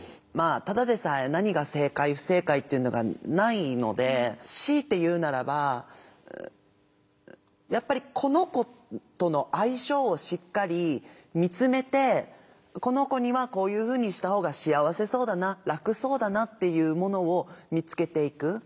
まあただでさえ何が正解不正解っていうのがないのでしいて言うならばやっぱりこの子との相性をしっかり見つめてこの子にはこういうふうにした方が幸せそうだな楽そうだなっていうものを見つけていく。